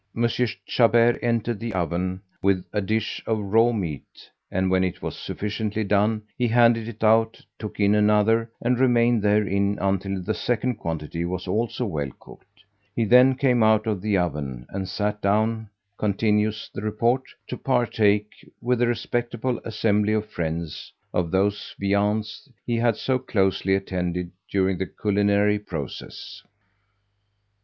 Chabert entered the oven with a dish of raw meat, and when it was sufficiently done he handed it out, took in another, and remained therein until the second quantity was also well cooked; he then came out of the oven, and sat down, continues the report, to partake, with a respectable assembly of friends, of those viands he had so closely attended during the culinary process.